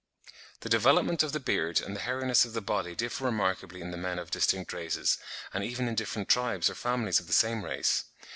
The development of the beard and the hairiness of the body differ remarkably in the men of distinct races, and even in different tribes or families of the same race.